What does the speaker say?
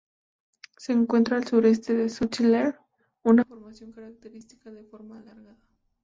Se encuentra al sureste de Schiller, una formación característica de forma alargada.